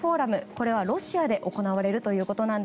これはロシアで行われます。